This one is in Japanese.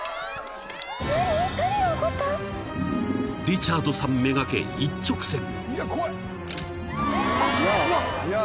［リチャードさん目がけ一直線］